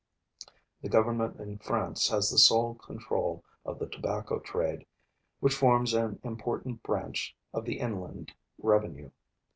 [The government in France has the sole control of the tobacco trade, which forms an important branch of the inland revenue.